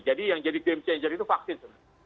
jadi yang jadi game changer itu vaksin